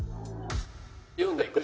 読んでいく？